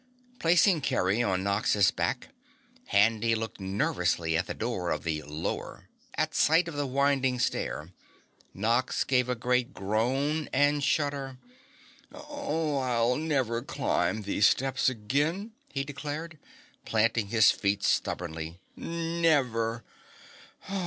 Placing Kerry on Nox's back, Handy looked nervously out the door of the Lower. At sight of the winding stair Nox gave a great groan and shudder. "I'll never climb those steps again!" he declared, planting his feet stubbornly. "Never!